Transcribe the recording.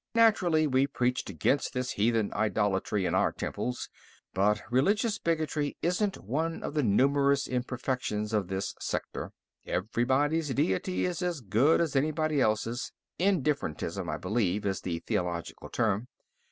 Naturally, we preached against this heathen idolatry in our temples, but religious bigotry isn't one of the numerous imperfections of this sector. Everybody's deity is as good as anybody else's indifferentism, I believe, is the theological term.